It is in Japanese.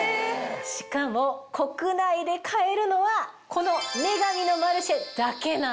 しかも国内で買えるのはこの『女神のマルシェ』だけなんです。